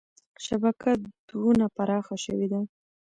شبکه دونه پراخه شوې ده.